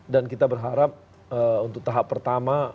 dan kita berharap untuk tahap pertama